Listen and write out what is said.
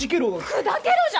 砕けろじゃ！